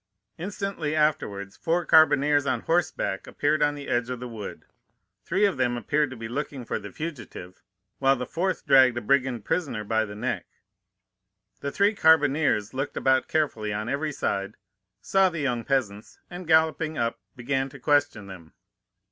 Instantly afterwards four carbineers, on horseback, appeared on the edge of the wood; three of them appeared to be looking for the fugitive, while the fourth dragged a brigand prisoner by the neck. The three carbineers looked about carefully on every side, saw the young peasants, and galloping up, began to question them.